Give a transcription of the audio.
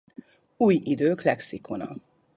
Uj Idők Lexikona